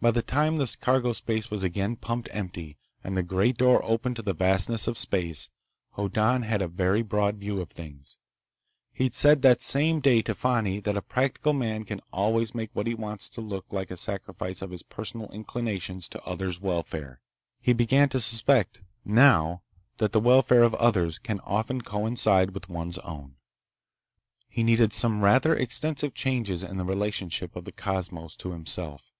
By the time the cargo space was again pumped empty and the great door opened to the vastness of space, Hoddan had a very broad view of things. He'd said that same day to Fani that a practical man can always make what he wants to do look like a sacrifice of his personal inclinations to others' welfare. He began to suspect, now, that the welfare of others can often coincide with one's own. He needed some rather extensive changes in the relationship of the cosmos to himself.